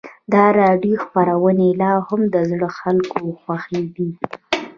د راډیو خپرونې لا هم د زړو خلکو خوښې دي.